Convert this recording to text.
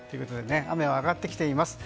雨はあがってきています。